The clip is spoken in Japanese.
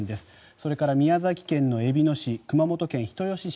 それから宮崎県のえびの市熊本県人吉市